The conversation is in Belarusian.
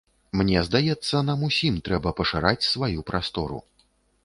Мне здаецца, нам усім трэба пашыраць сваю прастору.